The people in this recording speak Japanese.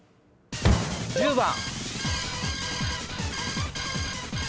１０番。